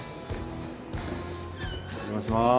お邪魔します。